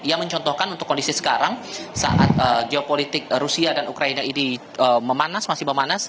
ia mencontohkan untuk kondisi sekarang saat geopolitik rusia dan ukraina ini memanas masih memanas